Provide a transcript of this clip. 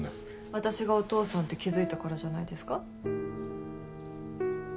私がお父さんって気づいたからじゃないですか？